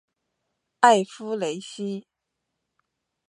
埃夫雷西。